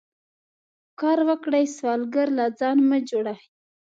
کار وکړئ سوالګر له ځانه مه جوړوئ